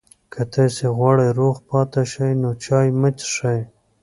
که تاسي غواړئ روغ پاتې شئ، نو چای مه څښئ.